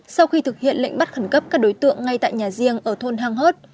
sau khi thực hiện lệnh bắt khẩn cấp các đối tượng ngay tại nhà riêng ở thôn hàng hót